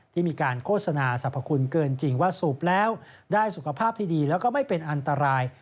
ที่มีการโฆษณาสรรพคุณเกินจริงว่าสูบแล้วได้สุขภาพที่ดีแล้วก็ไม่เป็นอันตราย